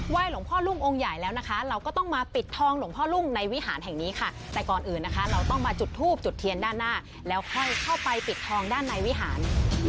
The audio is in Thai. หลวงพ่อรุ่งองค์ใหญ่แล้วนะคะเราก็ต้องมาปิดทองหลวงพ่อรุ่งในวิหารแห่งนี้ค่ะแต่ก่อนอื่นนะคะเราต้องมาจุดทูบจุดเทียนด้านหน้าแล้วค่อยเข้าไปปิดทองด้านในวิหาร